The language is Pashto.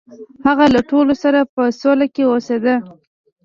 هغه له ټولو سره په سوله کې اوسیده.